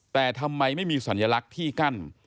แต่ทำไมไม่มีสัญลักษณ์ที่กั้น